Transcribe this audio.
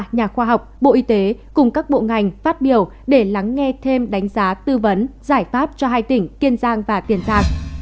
nhà khoa học bộ y tế cùng các bộ ngành phát biểu để lắng nghe thêm đánh giá tư vấn giải pháp cho hai tỉnh kiên giang và tiền giang